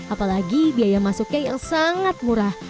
apalagi biaya masuknya yang sangat murah